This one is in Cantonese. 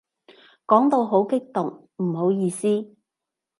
講到好激動，唔好意思